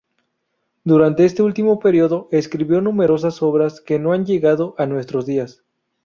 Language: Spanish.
Durante este último periodo escribió numerosas obras que no han llegado a nuestros días.